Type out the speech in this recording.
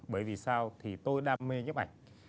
bởi vì sao thì tôi đam mê nhếp ảnh